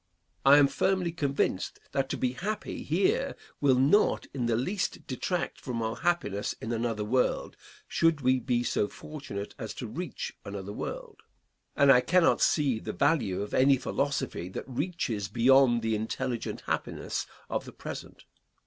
I am firmly convinced that to be happy here will not in the least detract from our happiness in another world should we be so fortunate as to reach another world; and I cannot see the value of any philosophy that reaches beyond the intelligent happiness of the present.